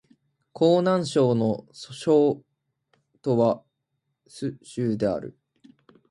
河南省の省都は鄭州である